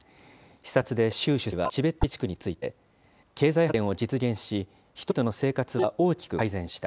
視察で習主席はチベット自治区について、経済発展を実現し、人々の生活は大きく改善した。